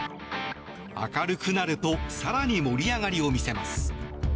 明るくなると更に盛り上がりを見せます。